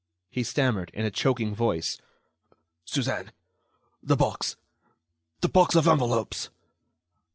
He stammered, in a choking voice: "Suzanne ... the box ... the box of envelopes?"